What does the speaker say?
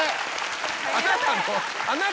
あなたの。